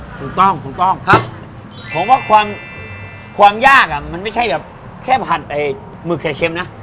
ถูกต้องครับผมว่าความยากมันไม่ใช่แบบแค่ผัดมึกไข่เค็มนะ